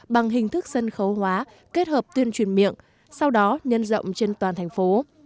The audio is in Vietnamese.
bằng hình thức sân khấu hóa kết hợp tuyên truyền miệng sau đó nhân rộng trên toàn thành phố